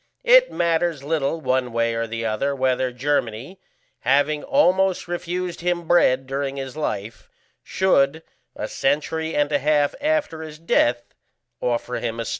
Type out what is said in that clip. It matters little one way or the other whether Germany, having almost refused him bread during his life, should, a century and a half after his death, offer him a stone.